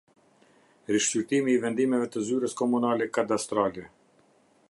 Rishqyrtimi i vendimeve të Zyrës Komunale Kadastrale.